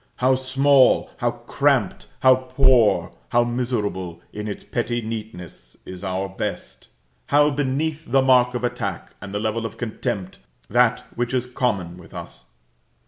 How small, how cramped, how poor, how miserable in its petty neatness is our best! how beneath the mark of attack, and the level of contempt, that which is common with us!